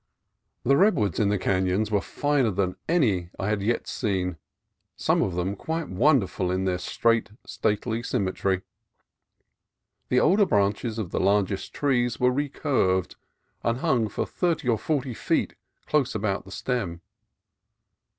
The redwoods in the canons were finer than any I had yet seen, some of them quite wonderful in their straight, stately symmetry. The older branches of the largest trees were recurved, and hung for thirty or forty feet close about the stem.